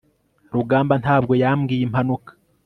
rugamba ntabwo yambwiye impanuka